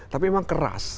tapi memang keras